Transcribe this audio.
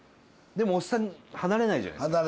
でもおっさん離れないじゃないですか。